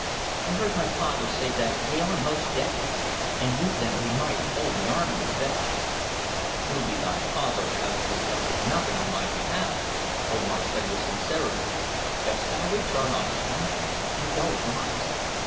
"I heard my father say that they are most deadly, and with them we might hold an army at bay." "Truly thy father hath neglected nothing on my behalf," Omar said with sincerity. "Dost thou return unto him?" "I go at once."